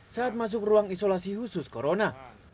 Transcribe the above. saat masuk ruang isolasi khusus corona